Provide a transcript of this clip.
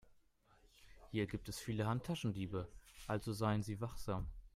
Hier gibt es viele Handtaschendiebe, also seien Sie wachsam.